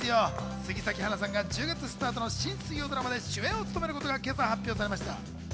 杉咲花さんが１０月スタートの新水曜ドラマで主演を務めることが今朝、発表されました。